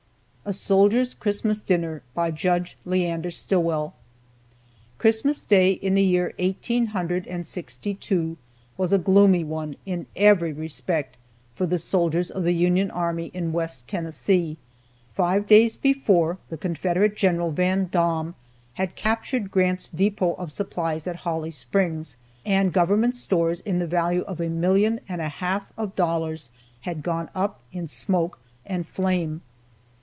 A SOLDIER'S CHRISTMAS DINNER. By Judge Leander Stillwell. Christmas Day in the year eighteen hundred and sixty two was a gloomy one, in every respect, for the soldiers of the Union army in West Tennessee. Five days before, the Confederate General Van Dorn had captured Grant's depot of supplies at Holly Springs, and government stores of the value of a million and a half of dollars had gone up in smoke and flame.